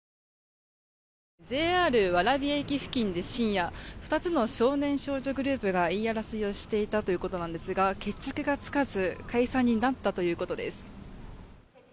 ＪＲ蕨駅付近で深夜２つの少年少女グループが言い争いをしていたということですが決着がつかず解散になったということです。